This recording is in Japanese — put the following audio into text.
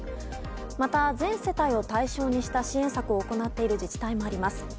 また、全世帯を対象にした支援策を行っている自治体もあります。